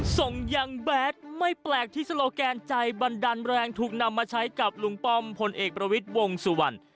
ส่งยังแบดไม่แปลกที่โลแกนใจบันดาลแรงถูกนำมาใช้กับลุงป้อมพลเอกประวิทย์วงสุวรรณ